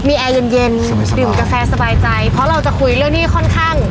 มีแอร์เย็นเย็นดื่มกาแฟสบายใจเพราะเราจะคุยเรื่องที่ค่อนข้าง